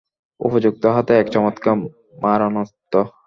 উপযুক্ত হাতে এক চমৎকার মারণাস্ত্র।